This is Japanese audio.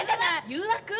誘惑？